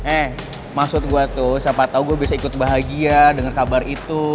eh maksud gue tuh siapa tau gue bisa ikut bahagia dengar kabar itu